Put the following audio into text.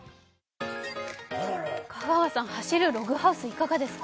香川さん、走るログハウスいかがですか？